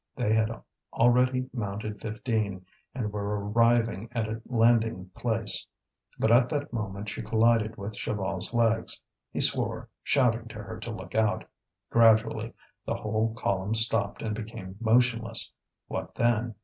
They had already mounted fifteen, and were arriving at a landing place. But at that moment she collided with Chaval's legs. He swore, shouting to her to look out. Gradually the whole column stopped and became motionless. What then?